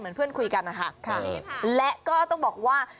เพื่อนคุยกันนะคะและก็ต้องบอกว่า